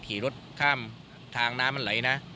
ขี่รถข้ามทางน้ำมันไหลนะ